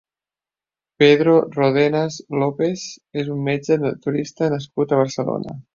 Pedro Ródenas López és un metge naturista nascut a Barcelona.